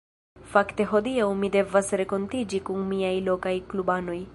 Fakte hodiaŭ mi devas renkontiĝi kun miaj lokaj klubanoj.